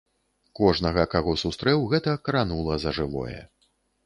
Кожнага, каго сустрэў, гэта кранула за жывое.